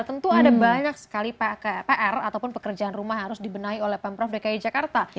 tentu ada banyak sekali pr ataupun pekerjaan rumah yang harus dibenahi oleh pemprov dki jakarta